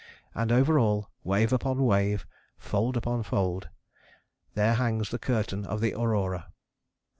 And over all, wave upon wave, fold upon fold, there hangs the curtain of the aurora.